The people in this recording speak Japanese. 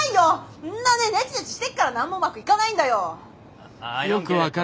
そんなねネチネチしてっから何もうまくいかないんだよ！